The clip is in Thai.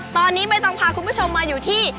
ตอนนี้ไม่ต้องพาคุณผู้ชมมาอยู่ที่